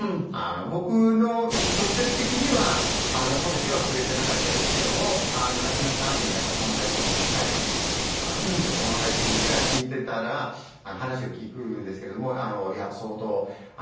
僕の直接的には褒めてはくれてなかったですけれども亡くなったあとにやっぱり友達彼の父の友達から聞いてたら話を聞くんですけれども「相当自慢の息子だったらしいよ」